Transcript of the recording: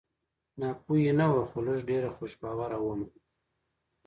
ناپوهي نه وه خو لږ ډېره خوش باوره ومه